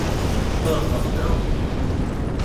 Hör man på.